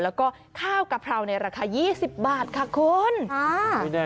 แล้วก็ข้าวกะเพราในราคา๒๐บาทค่ะคุณ